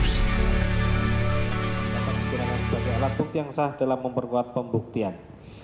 sebagai alat putih yang sah dalam memperkuat pembuktian